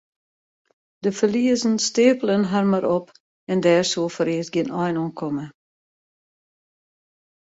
De ferliezen steapelen har mar op en dêr soe foarearst gjin ein oan komme.